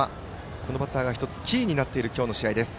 このバッターが１つキーになっている今日の試合です。